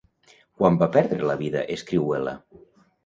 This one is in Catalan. Quan va perdre la vida Escrihuela?